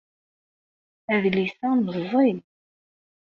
Adlis-a meẓẓey